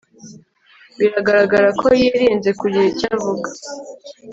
biragaragara ko yirinze kugira icyo ivuga